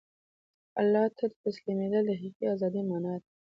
الله ته تسلیمېدل د حقیقي ازادۍ مانا ده.